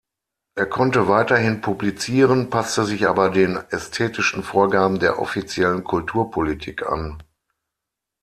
Er konnte weiterhin publizieren, passte sich aber den ästhetischen Vorgaben der offiziellen Kulturpolitik an.